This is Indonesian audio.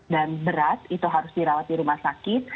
dan berat itu harus dirawat di rumah sakit